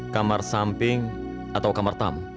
kamar samping atau kamar tamu